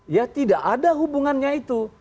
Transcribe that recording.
ya tidak ada hubungannya itu